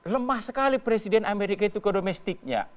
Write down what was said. lemah sekali presiden amerika itu ke domestiknya